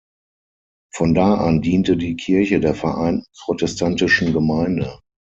Von da an diente die Kirche der vereinten Protestantischen Gemeinde.